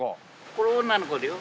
これ女の子だよ。